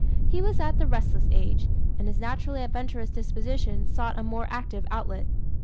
He was at the restless age, and his naturally adventurous disposition sought a more active outlet.